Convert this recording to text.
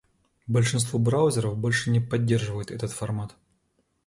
Большинство браузеров больше не поддерживает этот формат.